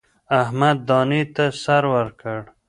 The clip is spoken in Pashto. احمد دانې ته سر ورکړ.